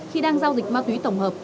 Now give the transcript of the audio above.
khi đang giao dịch ma túy tổng hợp